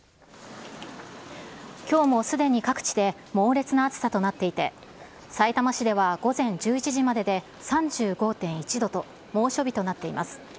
きょうもすでに各地で猛烈な暑さとなっていて、さいたま市では午前１１時までで３５．１度と、猛暑日となっています。